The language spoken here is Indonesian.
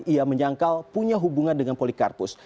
ia menyangkal punya hubungan dengan polikarpus